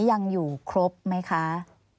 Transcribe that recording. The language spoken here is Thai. ยังอยู่ครบไหมคะ